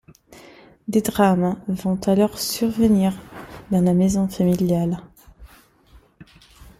Des drames vont alors survenir dans la maison familiale.